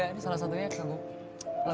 ini salah satunya lagu lagu pindah